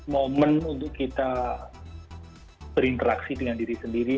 moment untuk kita berinteraksi dengan diri kita sendiri